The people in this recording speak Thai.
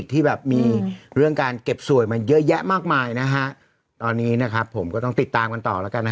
ตอนนี้นะครับผมก็ต้องติดตามกันต่อแล้ว